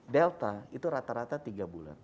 delta itu rata rata tiga bulan